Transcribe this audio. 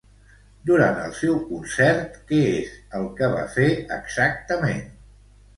Durant el seu concert, què és el que va fer exactament?